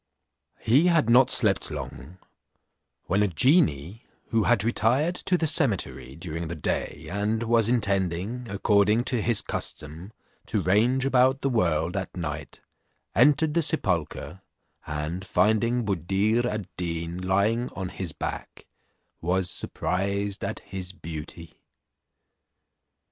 He had not slept long, when a genie, who had retired to the cemetery during the day, and was intending, according to his custom, to range about the world at night, entered the sepulchre, and finding Buddir ad Deen lying on his back, was surprised at his beauty.